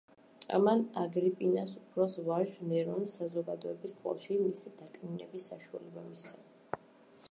ამან აგრიპინას უფროს ვაჟ ნერონს საზოგადოების თვალში მისი დაკნინების საშუალება მისცა.